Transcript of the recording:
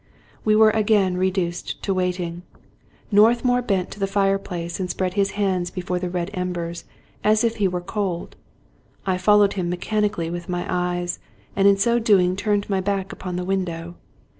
We were again reduced to waiting. Northmour went to the fireplace and spread his hands before the red embers, as if he were cold. I followed him mechanically with my eyes, and in so doing turned my back upon the window.